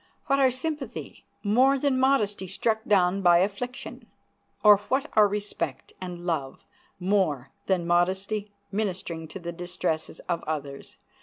what our sympathy more than modesty struck down by affliction? or what our respect and love more than modesty ministering to the distresses of others?